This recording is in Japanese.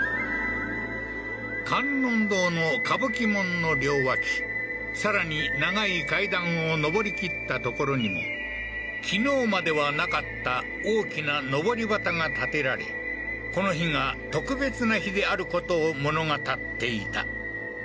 観音堂の冠木門の両脇さらに長い階段を上りきった所に昨日まではなかった大きなのぼり旗が立てられこの日が特別な日であることを物語っていた